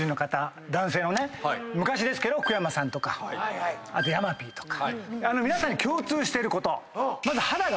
昔ですけど福山さんとか山Ｐとか。